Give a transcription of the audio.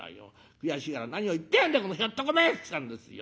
悔しいから『何を言ってやがんだこのひょっとこめ！』って言ったんですよ。